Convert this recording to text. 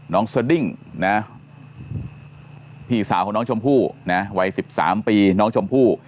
สดิ้งนะพี่สาวของน้องชมพู่นะวัย๑๓ปีน้องชมพู่